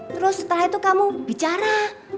terus setelah itu kamu bicara